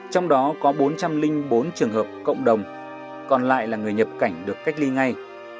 trong đó có bốn trăm linh bốn trường hợp cộng đồng còn lại là người nhập cảnh được cách ly ngay